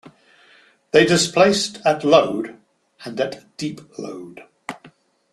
They displaced at load and at deep load.